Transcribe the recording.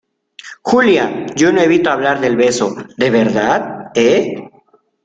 Julia, yo no evito hablar del beso , de verdad ,¿ eh?